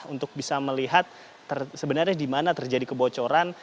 untuk bisa melihat sebenarnya di mana terjadi kebocoran